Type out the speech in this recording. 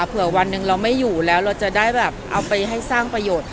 เผื่อวันหนึ่งเราไม่อยู่แล้วเราจะได้แบบเอาไปให้สร้างประโยชน์